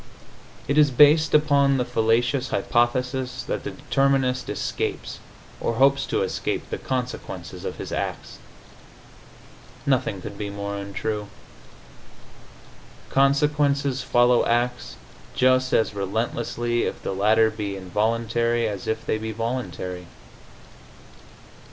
It is based upon the fallacious hypothesis that the determinist escapes, or hopes to escape, the consequences of his acts. Nothing could be more untrue. Consequences follow acts just as relentlessly if the latter be involuntary as if they be voluntary.